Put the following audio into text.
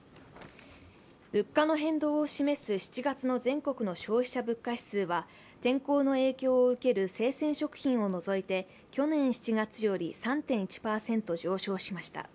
物価の変動を示す７月の全国の消費者物価指数は天候の影響を受ける生鮮食品を除いて去年７月より３．１％上昇しました。